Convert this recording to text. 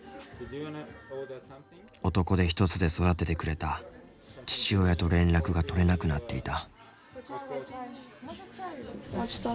男手一つで育ててくれた父親と連絡が取れなくなっていた。